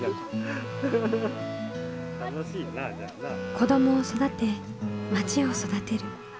子どもを育てまちを育てる。